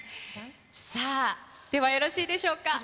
さあ、ではよろしいでしょうか。